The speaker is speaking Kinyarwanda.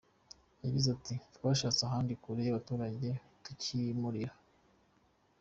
Yagize ati “Twashatse ahandi kure y’abaturage tucyimurira.